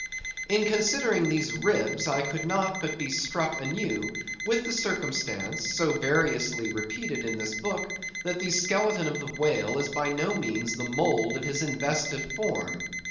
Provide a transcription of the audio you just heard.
In considering these ribs, I could not but be struck anew with the circumstance, so variously repeated in this book, that the skeleton of the whale is by no means the mould of his invested form.